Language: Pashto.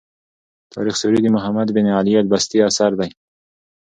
تاریخ سوري د محمد بن علي البستي اثر دﺉ.